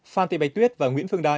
phan thị bạch tuyết và nguyễn phương đại